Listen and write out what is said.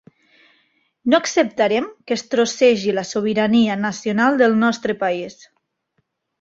No acceptarem que es trossegi la sobirania nacional del nostre país.